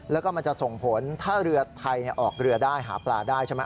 แล้วก็มันจะส่งผลถ้าเรือไทยออกเรือได้หาปลาได้ใช่ไหม